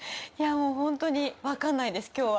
ホントに分かんないです今日は。